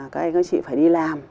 các anh chị phải đi làm